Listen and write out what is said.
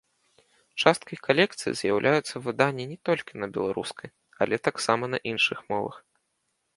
Часткай калекцыі з'яўляюцца выданні не толькі на беларускай, але таксама на іншых мовах.